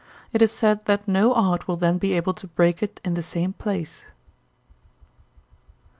It is said that no art will then be able to break it in the same place.